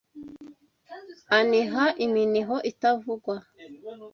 aniha iminiho itavugwa